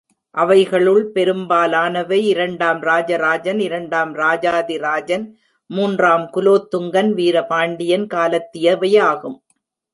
அவைகளுள் பெரும்பாலானவை இரண்டாம் ராஜராஜன், இரண்டாம் ராஜாதி ராஜன், மூன்றாம் குலோத்துங்கன், வீரபாண்டியன் காலத்தியவையாகும்.